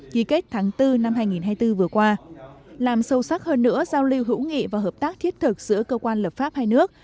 ký kết tháng bốn năm hai nghìn hai mươi bốn vừa qua làm sâu sắc hơn nữa giao lưu hữu nghị và hợp tác thiết thực giữa cơ quan lập pháp hai nước